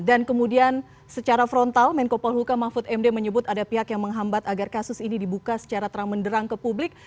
dan kemudian secara frontal menko polhuka mahfud md menyebut ada pihak yang menghambat agar kasus ini dibuka secara terang menderang ke publik